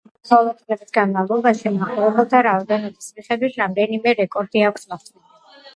მას ბოლო წლების განმავლობაში, მაყურებელთა რაოდენობის მიხედვით, რამდენიმე რეკორდი აქვს მოხსნილი.